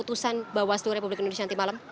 putusan bawaslu republik indonesia nanti malam